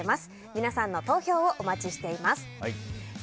皆さんの投票をお待ちしています。